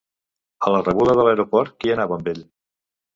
A la rebuda de l'aeroport, qui anava amb ell?